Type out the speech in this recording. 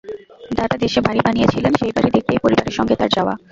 দাদা দেশে বাড়ি বানিয়েছিলেন, সেই বাড়ি দেখতেই পরিবারের সঙ্গে তাঁর যাওয়া।